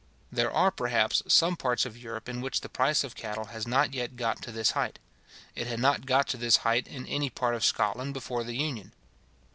There are, perhaps, some parts of Europe in which the price of cattle has not yet got to this height. It had not got to this height in any part of Scotland before the Union.